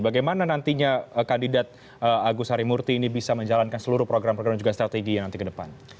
bagaimana nantinya kandidat agus harimurti ini bisa menjalankan seluruh program program juga strategi yang nanti ke depan